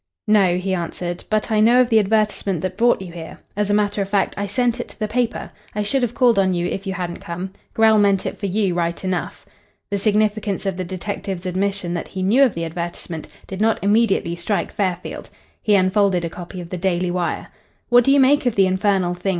"No," he answered, "but I know of the advertisement that brought you here. As a matter of fact, I sent it to the paper. I should have called on you if you hadn't come. Grell meant it for you, right enough." The significance of the detective's admission that he knew of the advertisement did not immediately strike Fairfield. He unfolded a copy of the Daily Wire. "What do you make of the infernal thing?"